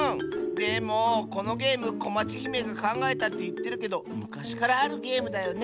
でもこのゲームこまちひめがかんがえたっていってるけどむかしからあるゲームだよね。